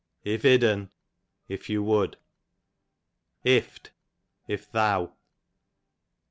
If idd'n, if you wou'd. Ift, if thou.